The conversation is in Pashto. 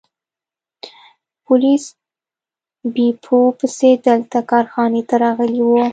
پولیس بیپو پسې دلته کارخانې ته راغلي وو.